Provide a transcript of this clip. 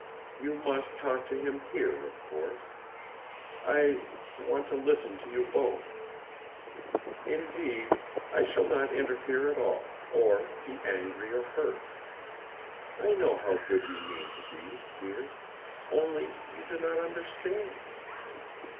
"You must talk to him here, of course. I want to listen to you both. Indeed, I shall not interfere at all, or be angry or hurt! I know how good you mean to be, dear; only, you do not understand."